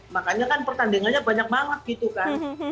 makanya kan pertandingannya banyak banget gitu kan